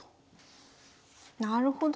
なるほど。